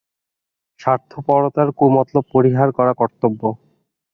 স্বার্থপরতার কু-মতলব পরিহার করা কর্তব্য।